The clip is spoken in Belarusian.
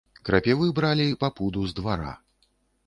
Крапівы бралі па пуду з двара.